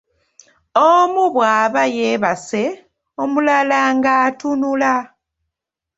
Omu bw'aba yeebase, omulala ng'atunula.